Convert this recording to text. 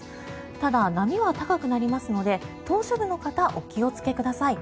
ただ、波は高くなりますので島しょ部の方はお気をつけください。